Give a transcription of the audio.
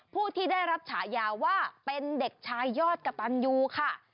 ผู้ที่ได้รับฉายาว่าเป็นเด็กชายยอดกะตันยูค่ะ